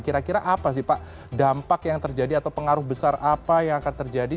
kira kira apa sih pak dampak yang terjadi atau pengaruh besar apa yang akan terjadi